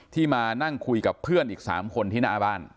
มานั่งคุยกับเพื่อนอีก๓คนที่หน้าบ้าน